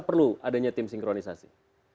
perlu adanya tim sinkronisasi